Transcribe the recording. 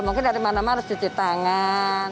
mungkin dari mana mana harus cuci tangan